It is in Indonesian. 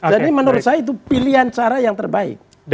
jadi menurut saya itu pilihan cara yang terbaik